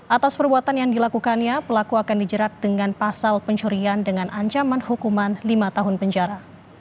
atas perbuatan yang dilakukannya pelaku akan dijerat dengan pasal pencurian dengan ancaman hukuman lima tahun penjara